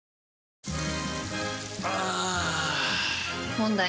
問題。